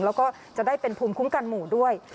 แล้วก็จะได้เป็นภูมิคุ้มกันหมู่ด้วย